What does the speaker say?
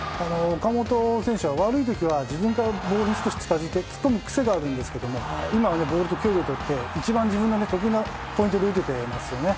岡本選手は悪い時は自分からボールに突っ込む癖があるんですけど今はボールと距離をとって一番自分が得意なポイントで打てていますね。